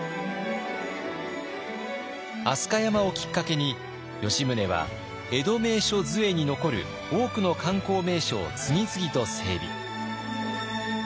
飛鳥山をきっかけに吉宗は「江戸名所図会」に残る多くの観光名所を次々と整備。